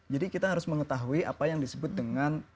jadi kita harus mengetahui apa yang disebut dengan